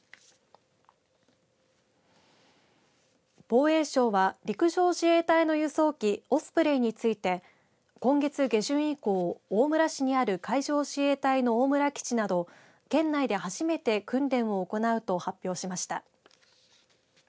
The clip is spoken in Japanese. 防衛省は陸上自衛隊の輸送機、オスプレイについて今月下旬以降、大村市にある海上自衛隊の大村基地など県内で初めて訓練を行うと発表しました。